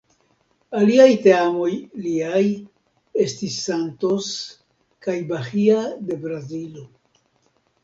Aliaj teamoj liaj estis Santos kaj Bahia de Brazilo.